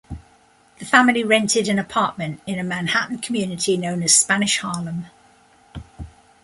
The family rented an apartment in a Manhattan community known as Spanish Harlem.